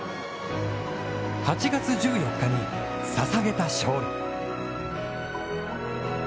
８月１４日にささげた勝利。